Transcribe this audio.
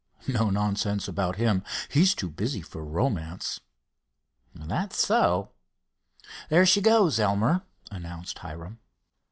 No nonsense about him. He's too busy for romance." "That's so. There she goes, Elmer," announced Hiram.